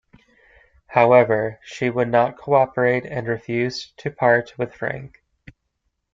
However, she would not cooperate and refused to part with Frank.